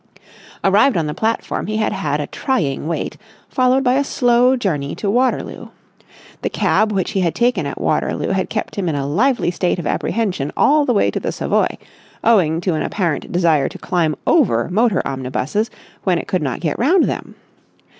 Arrived on the platform, he had had a trying wait, followed by a slow journey to Waterloo. The cab which he had taken at Waterloo had kept him in a lively state of apprehension all the way to the Savoy, owing to an apparent desire to climb over motor omnibuses when it could not get round them.